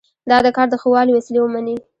دا د کار د ښه والي وسیله ومني.